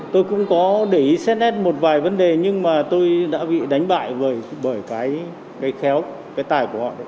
tôi cũng có để ý xét nét một vài vấn đề nhưng mà tôi đã bị đánh bại bởi cái khéo cái tài của họ đấy